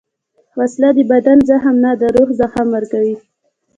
وسله د بدن زخم نه، د روح زخم ورکوي